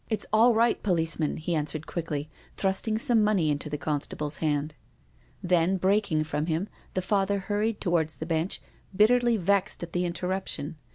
339 " It's all right, policeman," he answered, quickly, thrusting some money into the constable's hand. Then, breaking from him, the Father hurried towards the bench, bitterly vexed at the interrup tion.